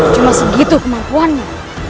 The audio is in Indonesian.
cuma segitu kemampuannya